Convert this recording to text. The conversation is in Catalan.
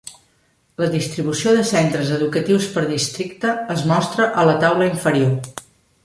La distribució de centres educatius per districte es mostra a la taula inferior.